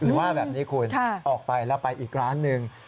ว่าแบบนี้คุณออกไปแล้วไปอีกร้านหนึ่ง